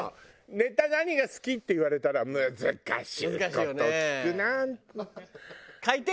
「ネタ何が好き？」って言われたら難しい事聞くなあ！